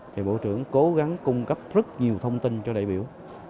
thì bộ trưởng cố gắng cung cấp rất nhiều thông tin cho đại biểu